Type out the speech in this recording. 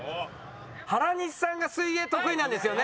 原西さんが水泳得意なんですよね？